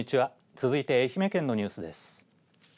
続いて愛媛県のニュースです。